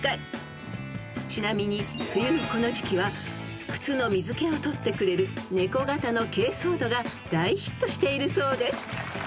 ［ちなみに梅雨のこの時期は靴の水気をとってくれる猫形の珪藻土が大ヒットしているそうです］